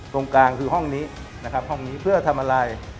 ตรงกลางคือห้องนี้นะครับห้องนี้เพื่อทำอะไร